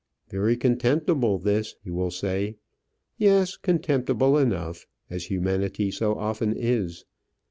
Very contemptible this, you will say. Yes, contemptible enough, as humanity so often is.